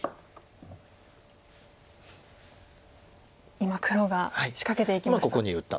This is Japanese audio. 今黒が仕掛けていきました。